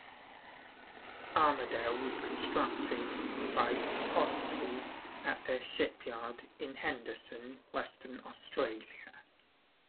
"Armidale" was constructed by Austal at their shipyard in Henderson, Western Australia.